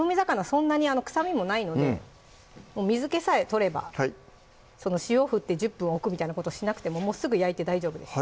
そんなに臭みもないので水気さえ取れば塩振って１０分置くみたいなことしなくてももうすぐ焼いて大丈夫です